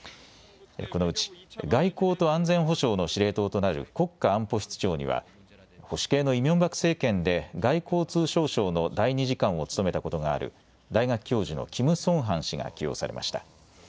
このうち外交と安全保障の司令塔となる国家安保室長には保守系のイ・ミョンバク政権で外交通商省の第２次官を務めたことがある大学教授のキム・ソンハン氏が起用されました。